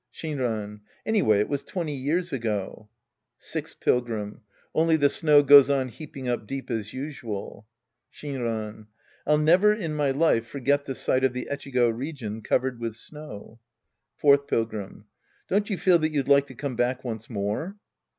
Shinran. Anyway it was twenty years ago. Sixth Pilgrim. Only the snow goes on heaping up deep as usual. Shinran. I'll never in my life forget the sight of the Echigo range covered with snow. Fourth Pilgrim. Don't you feel that you'd like to come back once more